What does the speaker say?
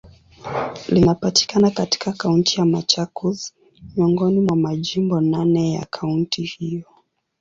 Linapatikana katika Kaunti ya Machakos, miongoni mwa majimbo naneya kaunti hiyo.